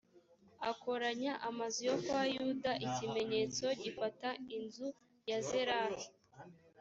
akoranya amazu yo kwa yuda, ikimenyetso gifata inzu ya zerahi;